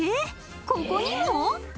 ここにも？